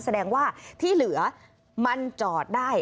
แสดงว่าที่เหลือมันจอดได้